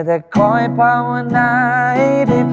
ใช่มันก็ต้องถูกเด็กค่ะ